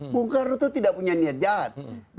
bung karno itu tidak punya niat jahat